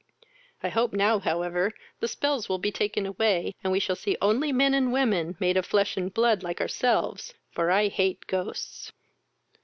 I hope now, however, the spells will be taken away, and we shall see only men and women, made of flesh and blood like ourselves, for I hate ghosts."